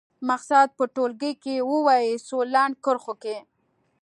مقصد په ټولګي کې ووايي څو لنډو کرښو کې.